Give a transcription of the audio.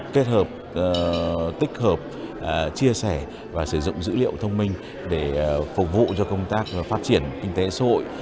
kết hợp tích hợp chia sẻ và sử dụng dữ liệu thông minh để phục vụ cho công tác phát triển kinh tế xã hội